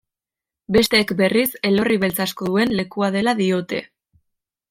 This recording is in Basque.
Besteek berriz elorri beltz asko duen lekua dela diote.